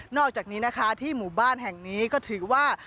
อกจากนี้นะคะที่หมู่บ้านแห่งนี้ก็ถือว่า